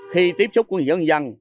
khi tiếp xúc với dân dân